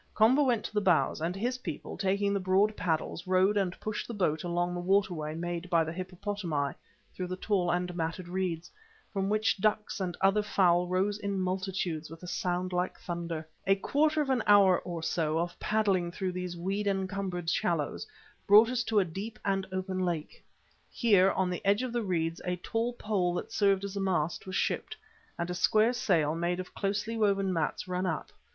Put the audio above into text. Komba went to the bows and his people, taking the broad paddles, rowed and pushed the boat along the water way made by the hippopotami through the tall and matted reeds, from which ducks and other fowl rose in multitudes with a sound like thunder. A quarter of an hour or so of paddling through these weed encumbered shallows brought us to the deep and open lake. Here, on the edge of the reeds a tall pole that served as a mast was shipped, and a square sail, made of closely woven mats, run up.